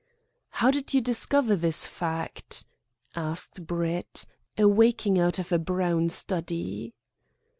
"How did you discover this fact?" asked Brett, awaking out of a brown study.